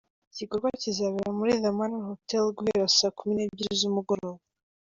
Iki gikorwa kizabera kuri The Manor Hotel guhera saa kumi n’ebyiri z’umugoroba.